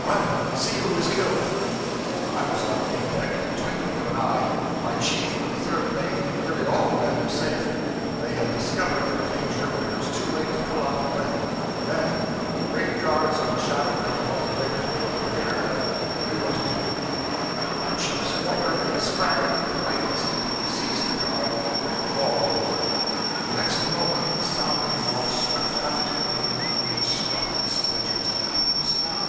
Run! See who is killed!' I was on the main deck in the twinkling of an eye. My chief and the third mate and nearly all the men were safe. They had discovered their danger when it was too late to pull out of the way; then, when the great guards overshadowed them a moment later, they were prepared and knew what to do; at my chiefs order they sprang at the right instant, seized the guard, and were hauled aboard. The next moment the sounding yawl swept aft to the wheel and was struck and splintered to atoms.